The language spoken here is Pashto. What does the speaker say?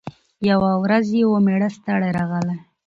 یوه ورځ یې وو مېړه ستړی راغلی